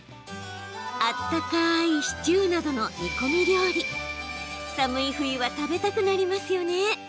温かいシチューなどの煮込み料理寒い冬は食べたくなりますよね。